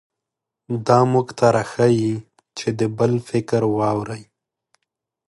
دا موږ ته راښيي چې د بل فکر واورئ.